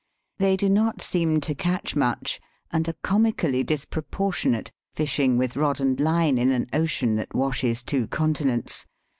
They do not seem to catch much, and are comically dispro portionate, fishing with rod and line in an ocean that washes two continents.